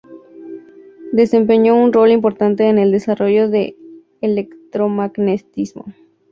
Desempeñó un rol importante en el desarrollo del electromagnetismo.